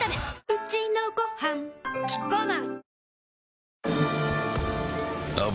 うちのごはんキッコーマン